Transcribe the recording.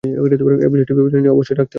এ বিষয়টি বিবেচনায় তো অবশ্যই রাখতে হবে।